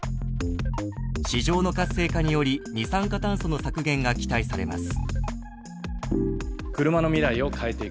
［市場の活性化により二酸化炭素の削減が期待されます］